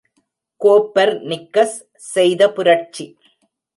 Copper நிக்கஸ் செய்த புரட்சி!